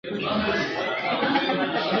د ماڼۍ ستني و لړزولې